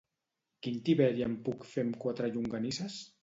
Quin tiberi em puc fer amb quatre llonganisses?